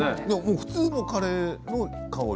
普通のカレーの香り。